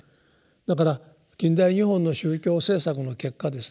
だから近代日本の宗教政策の結果ですね